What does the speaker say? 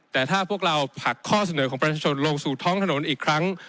แต่ถ้าพวกเราผลักข้อเสนอของประชาชนลงสู่ท้องถนนอีกครั้ง